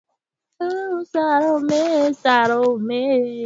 eeh sijui wewe unafikiri kuwa hali ni sehemu ya utu wa mwanamke